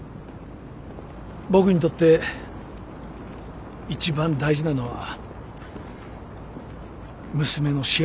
僕にとって一番大事なのは娘の幸せなんです。